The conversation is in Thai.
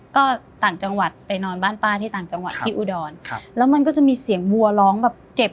ก็ต่างจังหวัดไปนอนบ้านป้าที่ต่างจังหวัดที่อุดรครับแล้วมันก็จะมีเสียงวัวร้องแบบเจ็บ